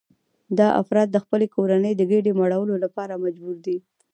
دا افراد د خپلې کورنۍ د ګېډې مړولو لپاره مجبور دي